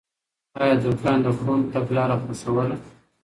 آيا دورکهايم د کُنت تګلاره خوښوله؟